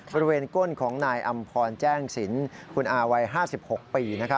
บริเวณก้นของนายอำพรแจ้งสินคุณอาวัย๕๖ปี